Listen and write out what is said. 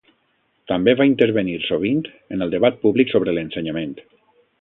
També va intervenir, sovint, en el debat públic sobre l'ensenyament.